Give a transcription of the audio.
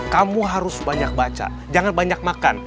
kamu harus banyak baca jangan banyak makan